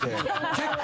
結構。